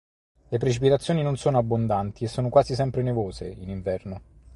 Le precipitazioni non sono abbondanti e sono quasi sempre nevose in inverno.